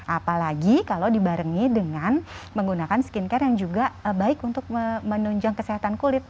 apalagi kalau dibarengi dengan menggunakan skincare yang juga baik untuk menunjang kesehatan kulit